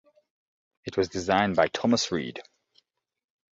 It was designed by Thomas Reed.